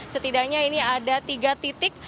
setidaknya ini ada tiga titik